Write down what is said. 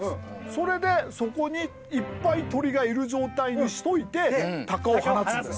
それでそこにいっぱい鳥がいる状態にしといてタカを放つんです。